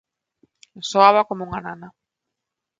Soaba como unha nana.